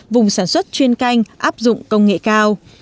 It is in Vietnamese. vùng sản xuất chuyên canh áp dụng công nghệ cao